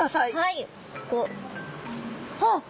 あっ！